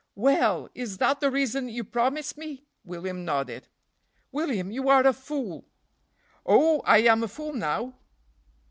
"Well! is that the reason you promised me?" William nodded. "William, you are a fool." "Oh I am a fool now?"